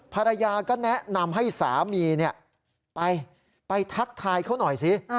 ภรรยาก็แนะนำให้สามีไปไปทักทายเขาหน่อยสิ